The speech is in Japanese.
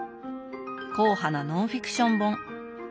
硬派なノンフィクション本。